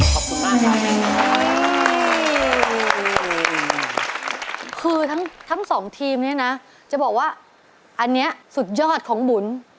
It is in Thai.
ขอบคุณมากทั้งสองทีมนี้นะจะบอกว่าอันนี้สุดยอดของบุ๋น